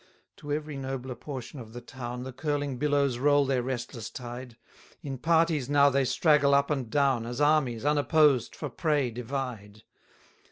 235 To every nobler portion of the town The curling billows roll their restless tide: In parties now they straggle up and down, As armies, unopposed, for prey divide.